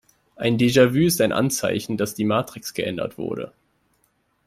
Ein Déjà-vu ist ein Anzeichen, dass die Matrix geändert wurde.